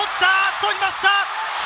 取りました！